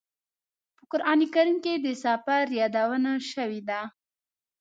په قران کریم کې د سفر یادونه شوې ده.